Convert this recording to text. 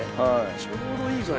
ちょうどいい具合。